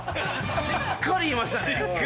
しっかり言いましたね。